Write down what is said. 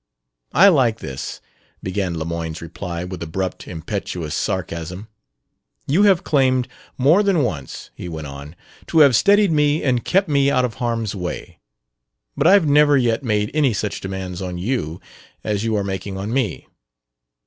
"I like this!" began Lemoyne's reply, with abrupt, impetuous sarcasm. "You have claimed, more than once," he went on, "to have steadied me and kept me out of harm's way; but I've never yet made any such demands on you as you are making on me.